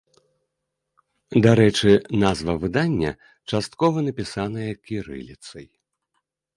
Дарэчы, назва выдання часткова напісаная кірыліцай.